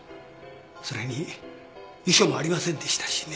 それに遺書もありませんでしたしね。